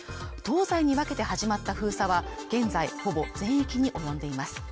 東西に分けて始まった封鎖は現在ほぼ全域に及んでいます